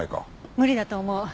無理だと思う。